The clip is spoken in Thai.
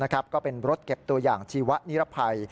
ก็เป็นรถเก็บตัวอย่างชีวะนิรภัย